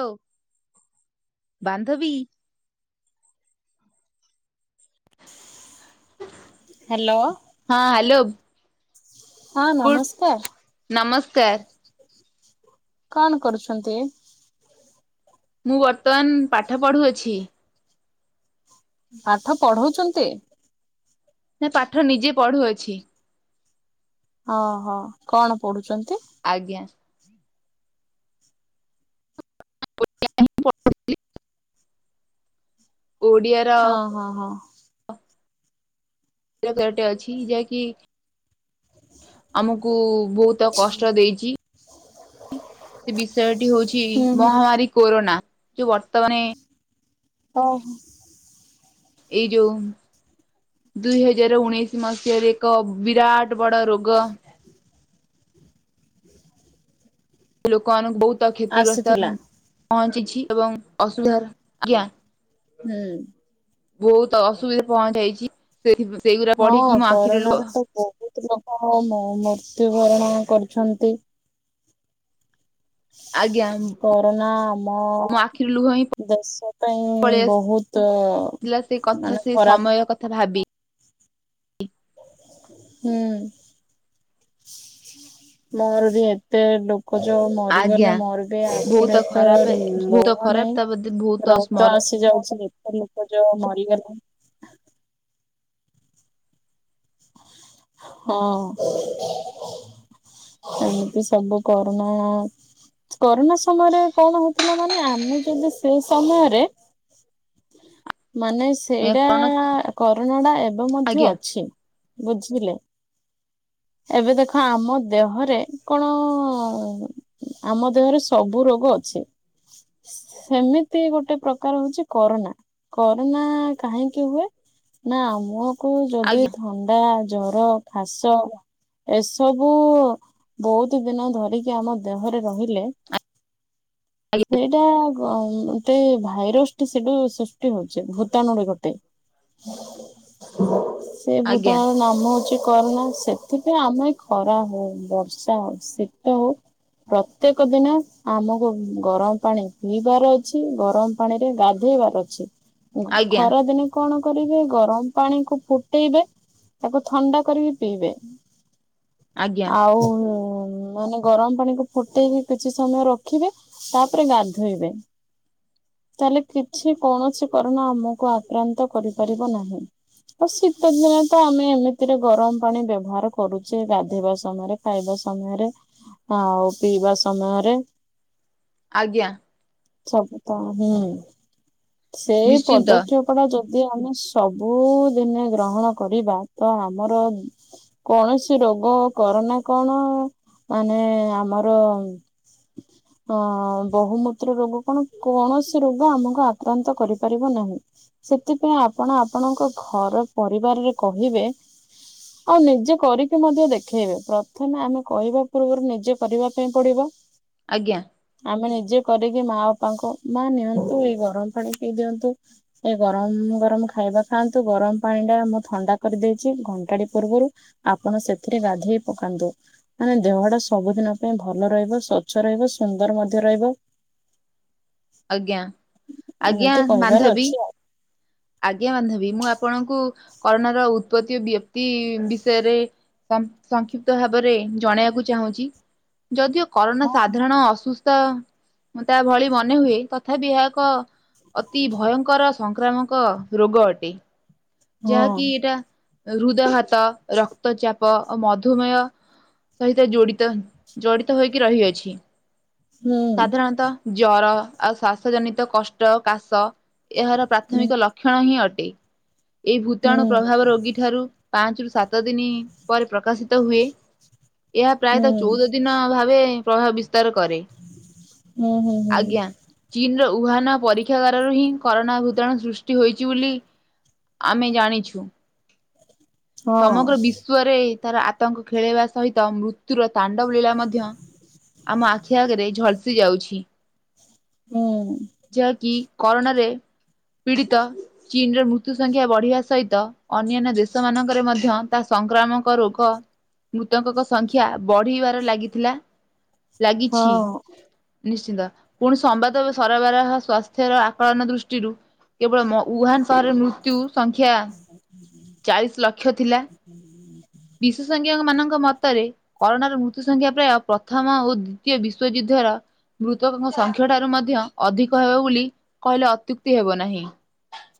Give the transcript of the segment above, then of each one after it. ହୋ ବାନ୍ଧବୀ। ହାଲୋ। ହଁ ହାଲୋ। ହଁ ନମସ୍କାର ନମସ୍କାର କଣ କରୁଛନ୍ତି? ମୁଁ ବର୍ତ୍ତମାନ ପାଠ ପଢ଼ୁଅଛି। ପାଠ ପଢଉଛନ୍ତି? ନା ପାଠ ନିଜେ ପଢୁଅଛି। ଅହଁ କଣ ପଢୁଛନ୍ତି। ଆଜ୍ଞା। ଓଡ଼ିଆ। ହଁ ହଁ ହଁ। ରଟେ ଅଛି ଯା [unintelligible] ଆମକୁ ବହୁତ କଷ୍ଟ ଦେଇଛି। ସେ ବିଷୟଟି ହଉଛି ହୁଁ ହୁଁ ମହାମାରୀ କୋରୋନା ଯୋଉ ବର୍ତ୍ତମାନ। ଓ ହୋ। ଏଇ ଯୋଉ ଦୁଇ ହଜାର ଉଣେଇଶି ମସିହାରେ ଏକ ବିରାଟ ଗୋଟେ ବଡ଼ ରୋଗ ଲୋକମାନାନଙ୍କୁ ବହୁତ କ୍ଷତିଗ୍ରସ୍ତ ଆସିଥିଲା ପହଞ୍ଚିଛି ଏବଂ ଅସୁବିଧା ଆଜ୍ଞା। ହୁଁ। ବହୁତ ଅସୁବିଧା ପହଞ୍ଚାଇଛି ସେଥି ସେଇଗୁଡା ହଁ ପଢିକି ମୋ ଆଖିରେ କରୋନାରେ ଲୁହ ତ ବହୁତ ଲୋକ ମୃତ୍ୟୁବରଣ କରିୁଛନ୍ତି। ଆଜ୍ଞା କରୋନା ଆମ ମୋ ଆଖିରୁ ଲୁହ ହିଁ ଦେଶ ପାଇଁ ପଳେଇ ବହୁତ ମାନେ ଖରାପ। ଥା ଭାବି ହୁଁ ମୋର ବି ଏତେ ଲୋ ଲୋକ ଯୋଉ ଆଜ୍ଞା। ମରିଗଲେ ମରିବି ବହୁତ ଆଖିରେ ତ ଖରାପ ବହୁତ ଲୋହ ଖରାପ ନାହିଁ। ତା ବୋଧେ ବହୁତ ର ତ ସ୍ମର ଆସି ଯାଉଛନ୍ତି ଏତେ ଲୋକ ଯୋ ମରିଗଲେ [unintelligible] ହଁ। ଏମିତି ସବୁ କରୋନା କରୋନା ସମୟରେ କଣ ହଉଥିଲା ମାନେ ଆମେ ଯଦି ସେ ସମୟରେ ମାନେ ସେଇଟା କଣ କରୋନା ଟା ଏବେ ମଧ୍ୟ ଆଜ୍ଞା ଅଛି ବୁଝିଲେ। ଏବେ ଦେଖ ଆମ ଦେହରେ କଣ ଆମ ଦେହରେ ସବୁ ରୋଗ ଅଛି। ସେମିତି ଗୋଟେ ପ୍ରକାର ହଉଛି କରୋନା। କରୋନା କାହିଁକି ହୁଏ ନା ଆମକୁ ଯଦି ଆଜ୍ଞା ଥଣ୍ଡା ଜର ଖାସ। ଏସବୁ ବହୁତ ଦିନ ଧରିକି ଆମ ଦେହରେ ରହିଲେ ଆଜ୍ଞା ସେଇଟା ଗ ଗୋଟେଭାଇରସ ଟୁ ସେଡୁ ଟି ହଉଚି ଭୂତାଣୁରେ ରୋଗ ଟେ ସେ ଆଜ୍ଞା ଭୂତାଣୁ ର ନାମ ଛି କରୁନା ସେଥିପାଇଁ ଆମେ ଖରା ହଉ ବର୍ଷା ହଉ ଶୀତ ହଉ ପ୍ରତ୍ୟେକ ଦିନ ଆମକୁ ଗରମ ପାଣି ପିଇବାର ଅଛି ଗରମ୍ ପାଣି ରେ ଗାଧେଇବାର ଅଛି। ଆଜ୍ଞା ଖରାଦିନେ କଣ କରିବେ ଗରମ୍ ପାଣି କୁ ଫୁଟେଇବେ ତାକୁ ଥଣ୍ଡା କରିକି ପିଇବେ ଆଜ୍ଞା ଆଉ ମାନେ ଗରମ୍ ପାଣି କୁ ଫୁଟେଇକି କିଛି ସମୟ ରଖିବେ ତାପରେ ଗାଧୋଇବେ। ତାହେଲେ କିଛି କୌଣସି କରୋନା ଆମକୁ ଆକ୍ରାନ୍ତ କରିପାରିବ ନାହିଁ। ଆଉ ଶୀତଦିନେ ତ ଆମେ ଏମିତିରେ ଗରମ୍ ପାଣି ବ୍ୟବହାର କରୁଚେ ଗାଧେଇବା ସମୟରେ। ଖାଇବା ସମୟରେ ଆଉ ପିଇବା ସମୟରେ ଆଜ୍ଞା। ସବୁ ତ ହୁଁ ସେଇ ନିଶ୍ଚିନ୍ତ ପଦକ୍ଷେପ୍ ଅଥବା ଯଦି ଆମେ ସବୁ ଦିନେ ଗ୍ରହଣ କରିବା ତ ଆମର କୌଣସି ରୋଗ କରୋନା କଣ ମାନେ ଆମର ଅ ବହୁମୂତ୍ର ରୋଗ କଣ କୌଣସି ରୋଗ ଆମକୁ ଆକ୍ରାନ୍ତ କରିପାରିବ ନାହିଁ। ସେଥିପାଇଁ ଆପଣ ଆପଣଙ୍କ ଘର ପରିବାରରେ କହିବେ। ଆଉ ନିଜେ କରିକି ମଧ୍ୟ ଦେଖେଇବେ ପ୍ରଥମେ ଆମେ କହିବା ପୂର୍ବରୁ ନିଜେ କରିବା ପାଇଁ ପଡିବ। ଆଜ୍ଞା। ଆମେ ନିଜେ କରିକି ମା ବାପାଙ୍କୁ ମା ନିଅନ୍ତୁ ଏଇ ଗରମ୍ ପାଣି ପିଇ ଦିଅନ୍ତୁ। ଏ ଗରମ୍ ଗରମ୍ ଖାଇବା ଖାଆନ୍ତୁ ଗରମ ପାଣି ଟା ମୁଁ ଥଣ୍ଡା କରିଦେଇଚି ଘଣ୍ଟାଟେ ପୂର୍ବରୁ। ଆପଣ ସେଥିରେ ଗାଧେଇ ପକାନ୍ତୁ। ମାନେ ଦେହଟା ସବୁଦିନ ପାଇଁ ଭଲ ରହିବ ସ୍ଵଚ୍ଛ ରହିବ ସୁନ୍ଦର ମଧ୍ୟ ରହିବ। ଆଜ୍ଞା ଆଜ୍ଞା ଏମିତି କହିବାର ବାନ୍ଧବୀ। ଅଛି ଆଉ ଆଜ୍ଞା ବାନ୍ଧବୀ ମୁଁ ଆପଣଙ୍କୁ କରୋନାର ଉତ୍ପତି ବ୍ୟପ୍ତି ବିଷୟରେ ସଂ ସଂକ୍ଷିପ୍ତ ଭାବରେ ଜଣେଇବାକୁ ଚାହୁଁଚି ଯଦିଓ କରୋନା ହଁ ସାଧାରଣ ଅସୁସ୍ ତ ମୁଁ ତା ଭଳି ବନି ହୁଏ ତଥାପି ଏହା ଏକ ଅତି ଭୟଙ୍କର ସଂକ୍ରାମକ ରୋଗ ଅଟେ। ହଁ ଯାହାକି ଏଇଟା ହୃଦଘାତ, ରକ୍ତଚାପ ଓ ମଧୁମେୟ ସହିତ ଜୋଡ଼ିତ ଜଡ଼ିତ ହୋଇକି ରହିଅଛି। ହୁଁ ସାଧାରଣତଃ ଜର ଆଉ ଶ୍ଵାସ ଜନିତ କଷ୍ଟ କାଶ ଏହାର ହୁଁ ପ୍ରାଥମିକ ଲକ୍ଷଣ ହିଁ ଅଟେ। ଏଇ ଭୂତାଣୁ ହୁଁ ପ୍ରଭାବ ରୋଗୀ ଠାରୁ ପାଞ୍ଚ ରୁ ସାତ ଦିନି ପରେ ପ୍ରକାଶିତ୍ ତ ହୁଏ ଏହା ହୁଁ ପ୍ରାୟତ ଚଉଦ ଦିନ ଭାବେ ପ୍ରଭାବିସ ତର କରେ ହୁଁ ହୁଁ ହୁଁ ଆଜ୍ଞା। ଚୀନ୍ ର ଉହାନା ପରୀକ୍ଷାଗାରା ରୁ ହିଁ କରୋନା ଭୂତାଣୁ ସୃଷ୍ଟି ହୋଇଚି ବୋଲି ଆମେ ଜାଣିଛୁ। ହଁ ସମଗ୍ର ବିଶ୍ୱରେ ତାର ଆତଙ୍କ ଖେଳେଇବା ସହିତ ମୃତ୍ୟୁର ତାଣ୍ଡବ ଲୀଳା ମଧ୍ୟ ଆମ ଆଖି ଆଗରେ ଝଲ୍ସି ଯାଉଚି। ହୁଁ। ଯାହାକି କରୋନାରେ ପୀଡ଼ିତ ଚୀନ ର ମୃତ୍ୟୁ ସଂଖ୍ୟା ବଢିବା ସହିତ ଅନ୍ୟାନ୍ୟ ଦେଶ ମାନଙ୍କରେ ମଧ୍ୟ ତା ସଂକ୍ରାମକ ରୋଗ ମୃତକଙ୍କ ସଂଖ୍ୟା ବଢିବାର ଲାଗିଥିଲା। ଲାଗିଛି ହଁ ନିଶ୍ଚିନ୍ତ ପୁଣି ସମ୍ବାଦ ବସ୍ ଥରବାରହ ସ୍ୱାସ୍ଥ୍ୟର ଆକଳନ ଦୃଷ୍ଟିରୁ କେବଳ ମ ଉହାନ୍ ସହରରେ ମୃତ୍ୟୁ ସଂଖ୍ୟା ଚାଳିଶ୍ ଲକ୍ଷ ଥିଲା। ବିଶେଷଜ୍ଞକ ମାନଙ୍କ ମତରେ କରୋନାର ମୃତ୍ୟୁ ସଂଖ୍ୟା ପ୍ରାୟ ପ୍ରଥମ ଓ ଦ୍ଵିତୀୟ ବିଶ୍ଵଯୁଦ୍ଧର। ମୃତକଙ୍କ ସଂଖ୍ୟା ଠାରୁ ମଧ୍ୟ ଅଧିକ ହେବ ବୋଲି କହିଲେ ଅତ୍ୟୁକ୍ତି ହେବ ନାହିଁ।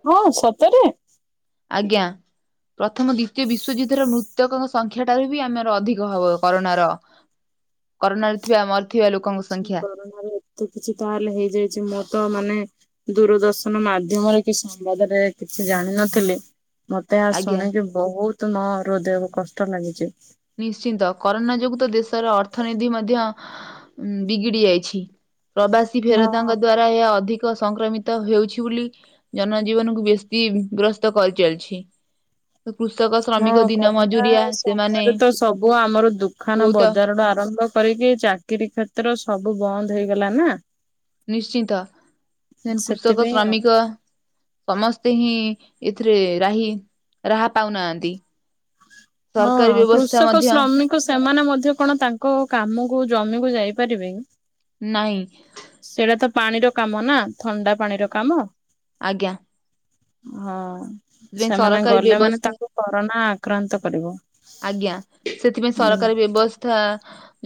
ହଁ ସତରେ। ଆଜ୍ଞା ପ୍ରଥମ ଦ୍ଵିତୀୟ ବିଶ୍ଵଯୁଦ୍ଧର ମୃତକଙ୍କ ସ ସଂଖ୍ୟା ଟାରୁ ବି ଆମର ଅଧିକ ହବ କରୋନାର କରୋନାରେ ଥିବା ମରିଥିବା ଲୋକଙ୍କ ସଂଖ୍ୟା। ମୃତ୍ୟୁ କିଛି ତାହେଲେ ହେଇଯାଇଛି ମୁଁ ତ ମାନେ ଦୂରଦର୍ଶନ ମାଧ୍ୟମରେ କି ସମ୍ବାଦରେ କିଛି ଜାଣିନଥିଲେ। ମତେ ଏହା ଆଜ୍ଞା। ଶୁଣିକି ବହୁତ୍ ମ ହୃଦୟରୁ କଷ୍ଟ ଲାଗିଚି। ନିଶ୍ଚିନ୍ତ କରୋନା ଯୋଗୁ ତ ଦେଶର ଅର୍ଥନୀତି ମଧ୍ୟ ବିଗିଡି ଯାଇଛି। ପ୍ରବାସୀ ହଁ ଫେରତାଙ୍କ ଦ୍ଵାରା ଏହା ଅଧିକ ସଂକ୍ରମିତ ହେଉଛି ବୋଲି ଜନଜୀବନ କୁ ବେଶୀ ଗ୍ରସ୍ତ କରିଚାଲିଛି। କୃଷକ ହଁ ଶ୍ରମିକ ଦିନ କରୋନା ମଜୁରିଆ ସେମାନେ ସମୟରେ ତ ସବୁ ଆମର ଦୁଖାନ ବହୁତ ବଜାର ଟୁ ଆରମ୍ଭ ଏପରିକି ଚାକିରୀ କ୍ଷେତ୍ର ସବୁ ବନ୍ଦ ହେଇଗଲା ନା। ନିଶ୍ଚିନ୍ତ ଦେନ୍ କୃଷକ ସେଥିପାଇଁ ଆଉ। ଶ୍ରମିକ ସମସ୍ତେ ହିଁ ଏଥିରେ ରାହି ରାହା ପାଉନାହାନ୍ତି। ସରକାରୀ ବ୍ୟବସ୍ଥା ମଧ୍ୟ କଣ ସେମାନେ ମଧ୍ୟ କଣ ତାଙ୍କ କାମକୁ ଜମିକୁୁ ଯାଇପାରିବେ କି? ନାଇଁ। ସେଇଟା ତ ପାଣିର କାମ ନା ଥଣ୍ଡା ପାଣିର କାମ। ଆଜ୍ଞା। ହଁ ସେଥିପାଇଁ ସେମାନେ ସରକାରୀ ଗଲେ ମାନେ ବ୍ୟବସ୍ଥା ତାଙ୍କୁ କରୋନା ଆକ୍ରାନ୍ତ କରିବ। ଆଜ୍ଞା ସେଥିପାଇଁ ହୁଁ ସରକାରୀ ବ୍ୟବସ୍ଥା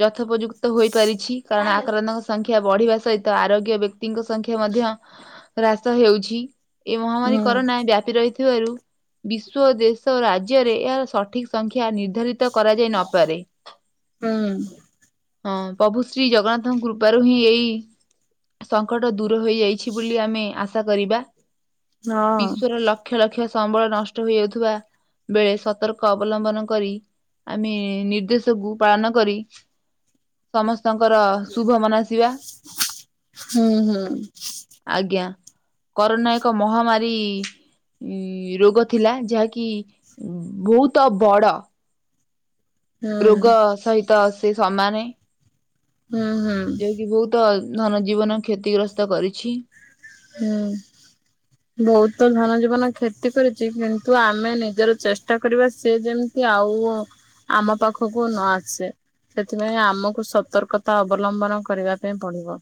ଯଥୋପଯୁକ୍ତ ହୋଇପାରିଛି କାରଣ ଆକ୍ରାନ୍ତଙ୍କ ସଂଖ୍ୟା ବଢିବା ସହିତ ଆରୋଗ୍ୟ ବ୍ୟକ୍ତିଙ୍କ ସଂଖ୍ୟା ମଧ୍ୟ ହ୍ରାସ ହେଉଛି। ଏ ମହାମାରୀ ହୁଁ। କରୋନା ବ୍ୟାପି ରହିଥିବାରୁ ବିଶ୍ଵ, ଦେଶ ଓ ରାଜ୍ୟରେ ଏହାର ସଠିକ୍ ସଂଖ୍ୟା ନିର୍ଦ୍ଧାରିତ କରାଯାଇ ନପାରେ। ହୁଁ ହଁ ପଭୁ ଶ୍ରୀ ଜଗନ୍ନାଥଙ୍କ କୃପାରୁ ହିଁ ଏଇ ସଙ୍କଟ ଦୂର ହେଇଯାଇଛି ବୋଲି ଆମେ ଆଶା କରିବା। ହଁ ବିଶ୍ଵର ଲକ୍ଷ ଲକ୍ଷ ସମ୍ବଳ ନଷ୍ଟ ହୋଇଯାଉଥିବା ବେଳେ ସତର୍କ ଅବଲମ୍ବନ କରି ଆମେ ନିର୍ଦ୍ଦେଶକୁ ପାଳନ କରି ସମସ୍ତଙ୍କର ଶୁଭ ମନାସିବା। ହୁଁ ହୁଁ ଆଜ୍ଞା କରୋନା ଏକ ମହାମାରୀ। ଉଁ ରୋଗ ଥିଲା ଯାହାକି ବହୁତ ବଡ। ହୁଁ ରୋଗ ସହିତ ସେ ସମାନେ ହୁଁ ହୁଁ ଯୋଉ କି ବହୁତ୍ ତ ଧନଜୀବନ କ୍ଷତିଗ୍ରସ୍ତ କରିଛି। ହୁଁ। ବହୁତ ଧନ ଜୀବନ କ୍ଷତି କରିଚି। କିନ୍ତୁ ଆମେ ନିଜର ଚେଷ୍ଟା କରିବା ସେ ଯେମିତି। ଯେ ଆଉ ଆମ ପାଖକୁ ନ ଆସେ। ସେଥିପାଇଁ ଆମକୁ ସତର୍କତା ଅବଲମ୍ବନ କରିବା ପାଇଁ ପଡିବ।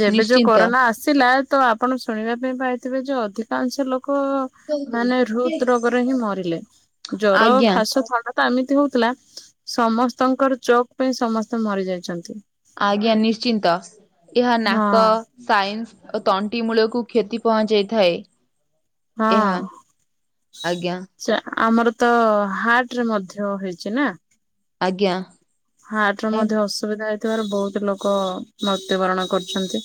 ଯେବେ ଯୋଉ ନିଶ୍ଚିନ୍ତ କରୋନା ଆସିଲା ତ ଆପଣ ଶୁଣିବା ପାଇଁ ପାଇଥିବେ ଯୋଉ ଅଧିକାଂଶ ଲୋକ ମାନେ ହୃଦ ରୋଗରେ ହିଁ ମରିଲେ ଜ୍ଵର ଆଜ୍ଞା ଖାସ ଥଣ୍ଡା। ତ ଏମିତି ହଉଥିଲା ସମସ୍ତଙ୍କର ଚୋକ୍ ପାଇଁ ସମସ୍ତେ ମରି ଯାଇଛନ୍ତି। ଆଜ୍ଞା ନିଶ୍ଚିନ୍ତ ଏହା ନାକ ହଁ ସାଇନ୍ସ୍ ଓ ତଣ୍ଟି ମୂଳକୁ କ୍ଷତି ପହଞ୍ଚାଇଥାଏ। ହଁ। ଏହା ଆଜ୍ଞା ସେ ଆମର ତ ହାର୍ଟ ରେ ମଧ୍ୟ ହେଇଛି ନା ଆଜ୍ଞା। ହାର୍ଟ ର ମଧ୍ୟ ଅସୁବିଧା ହେଇଥିବାରୁ ବହୁତ ଲୋକ ମୃତ୍ୟୁବରଣ କରୁଛନ୍ତି।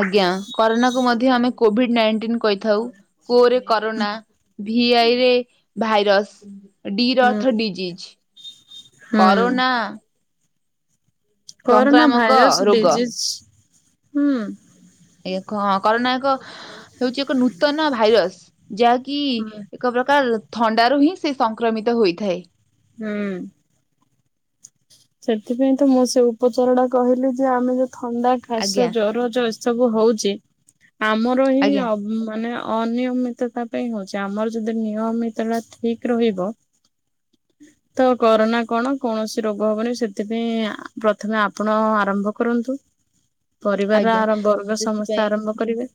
ଆଜ୍ଞା କରୋନାକୁ ମଧ୍ୟ ଆମେ କୋଭିଡ ନାଇନ ଟିନ କହିଥାଉ। କୋ ରେ କରୋନା ଭିଆଇରେ ଭାଇରସ୍। ଡିର ହୁଁ ଅର୍ଥ ଡିଜିଜ୍ ହୁଁ କରୋନା କରୋନା ସଂକ୍ରାମକ ଭାଇରସ୍ ରୋଗ ଡିଜିିଜ୍ ହୁଁ। ଏକିହଁ କରୋନା ଏକ ହେଉଚି ଏକ ନୂତନ ଭାଇରସ୍ ଯାହା କି ହୁଁ ଏକ ପ୍ରକାର ଥଣ୍ଡାରୁ ହିଁ ସେ ସଂକ୍ରମିତ ହୋଇଥାଏ। ହୁଁ। ସେଥିପାଇଁ ତ ମୁଁ ସେ ଉପଚାରଟା କହିଲି ଯେ, ଆମେ ଯୋଉ ଥଣ୍ଡା ଖାସ ଆଜ୍ଞା ଜର ଜ ସବୁ ହଉଚି ଆମର ହିଁ ଆଜ୍ଞା ଅ ମାନେ ଅନିୟମିତତା ପାଇଁ ହଉଚି। ଆମର ଯଦି ନିୟମିତଟା ଠିକ୍ ରହିବ ତ କରୋନା କଣ କୌଣସି ରୋ ଗ ହବନି ସେଥିପାଇଁ ଆ ପ୍ରଥମେ ଆପଣ ଆରମ୍ଭ କରନ୍ତୁ। ପରିବାର ଆଜ୍ଞା ଆର ବର୍ଗ ସମସ୍ତେ ସେଥିପାଇଁ ଆରମ୍ଭ କରିବେ।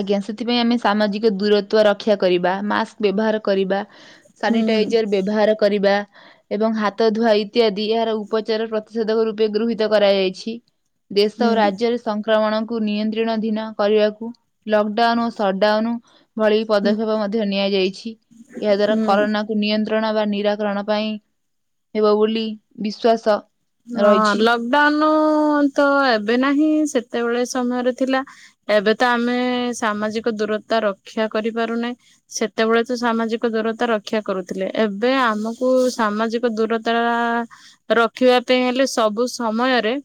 ଆଜ୍ଞା ସେଥିପାଇଁ ଆମେ ସାମାଜିକ ଦୂରତ୍ଵ ରକ୍ଷା କରିବା, ମାସ୍କ ବ୍ୟବହାର କରିବା। ହୁଁ। ସାନିଟାଇଜର। ବ୍ୟବହାର କରିବା। ଏବଂ ହାତ ଧୁଆ ଇତ୍ୟାଦି। ଏହାର ଉପଚାର ପ୍ରତିଷେଧକ ରୂପେ ଗୃହୀତ କରାଯାଇଛି। ଦେଶ ହୁଁ ଓ ରାଜ୍ୟରେ ସଂକ୍ରମଣକୁ ନିୟନ୍ତ୍ରୀଣଧୀନ କରିବାକୁ ଲକଡାଉନ୍ ଓ ସଡାଉନ୍ ଭଳି ହୁଁ ପଦକ୍ଷେପ ମଧ୍ୟ ନିଆଯାଇଛି। ଏହା ଦ୍ଵାରା ହୁଁ କରୋନା କୁ ନିୟନ୍ତ୍ରଣ ବା ନିରାକରଣ ପାଇଁ ହେବ ବୋଲି ବିଶ୍ଵାସ। ହଁ ରହିଛି ଲକଡାଉନ୍ ତ ଏବେ ନାହିଁ, ସେତେବେଳେ ସମୟରେ ଥିଲା। ଏବେ ତ ଆମେ ସାମାଜିକ ଦୂରତା ରକ୍ଷା କରିପାରୁନେ। ସେତେବେଳେ ତ ସାମାଜିକ ଦୂରତା ରକ୍ଷା କରୁଥିଲେ। ଏବେ ଆମକୁ ସାମାଜିକ ଦୂରତା ରଖିବା ପେଇଁ ହେଲେ ସବୁ ସମୟରେ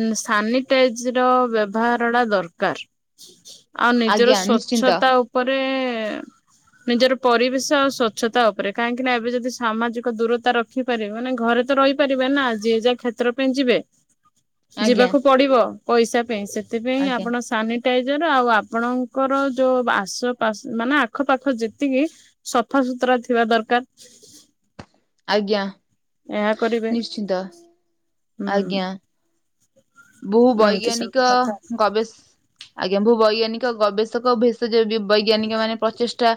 ଉଁ ସାନିଟାଇଜ୍ ର ବ୍ୟବହାରଟା ଦରକାର। ଆଉ ଆଜ୍ଞା ନିଜର ନିଶ୍ଚିନ୍ତ ସ୍ଵଚ୍ଛତା ଉପରେ ନିଜର ପରିବେଶ ଆଉ ସ୍ଵଚ୍ଛତା ଓପରେ କାହିଁକି ନା ଏବେ ଯଦି ସାମାଜିକ ଦୂରତା ର ଖିପାରି ମାନେ ଘରେ ତ ରହିପାର ରିବେ ନାଁ ଯିଏ ଯାହା କ୍ଷେତ୍ର ପାଇଁ ଯିବେ। ଆଜ୍ଞା ଯିବାକୁ ପଡ଼ିବ ପଇସା ପାଇଁ ସେ ଥିପାଇଁ ଆଜ୍ଞା ଆପଣ ସାନି ଟାଇଜର ଆପଣଙ୍କର ଯୋଉ ଆସପାସ୍ ମାନେ ଆଖପାଖ ଯେତିକି ସଫା ସୁୁତରା ଥିବା ଦରକାର। ଆଜ୍ଞା। ଏହା କରିବେ। ସିଦ ହୁଁ ଆଜ୍ଞା। ବୋହୁ ଏମିତି ବୈଜ୍ଞାନିକ ସବୁ କଥା ଗବେଷ୍ ଆଜ୍ଞା ବୋହୁ ବୈଜ୍ଞାନିକ ଗବେଷକ ଭେଷଜ ବି ବୈଜ୍ଞାନିକ ମାନେ ପ୍ରଚେଷ୍ଟା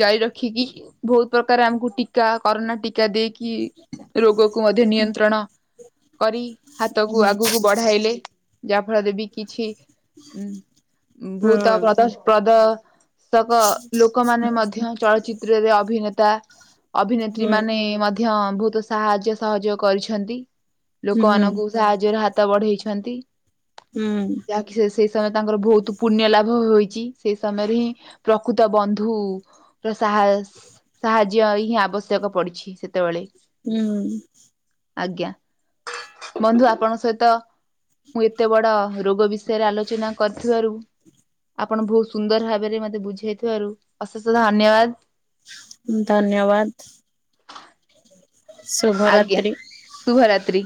ଜାରି ର ଖିକି ଭୋଉତ୍ ପ୍ରକାର ଆମୁକୁ ଟୀକା କରୋନା ଟୀକା ଦେଇକି ଇ ରୋଗକୁ ମଧ୍ୟ ନିୟନ୍ତ୍ରଣ କରି ହାତକୁ ହୁଁ ଆଗୁ ଆଇଲେ ଯାହା ଫଳରେ ବି କିଛି ଉଁ ହୁଁ ଭୂତପ୍ରତ ପ୍ରଦ ସକ ଲୋକମାନେ ମଧ୍ୟ ଚଳଚିତ୍ରରେ ଅଭିନେତା ହୁଁ ଅଭିନେତ୍ରୀମାନେ ମଧ୍ୟ ବୋହୁତ ସାହାଯ୍ୟ ସହଯୋଗ କରିଛନ୍ତି ଲୋକମାନଙ୍କୁ। ସାହାଯ୍ୟର ହାତ ବଢେଇଛନ୍ତି। ହୁଁ। ଯାହା କି ସେ ସେଇ ସମୟ ତାଙ୍କର ଭୋଉତୁ ପୁଣ୍ୟ ଲାଭ ହୋଇଛି। ସେଇ ସମୟରେ ହିଁ ପ୍ରକୃତ ବନ୍ଧୁ ର ସାହା ସାହାଯ୍ୟ ହିଁ ଆବଶ୍ୟକ ପଡ଼ିଛି ସେତବେଳେ। ହୁଁ। ଆଜ୍ଞା ବନ୍ଧୁ ଆପଣଙ୍କ ସହି ତ ମୁଁ ଏତେ ବଡ ରୋଗ ବିଷୟରେ ଆଲୋଚନା କରିଥିବାରୁ ଆପଣ ବହୁତ ସୁନ୍ଦର ଭାବରେ ମତେ ବୁଝେଇଥିବାରୁ ଅଶେଷ ଧନ୍ୟବାଦ। ଧନ୍ୟବାଦ। ଶୁଭ ରାତ୍ରି। ଶୁଭ ରାତ୍ରୀ।